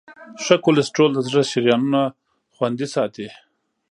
ښه کولیسټرول د زړه شریانونه خوندي ساتي.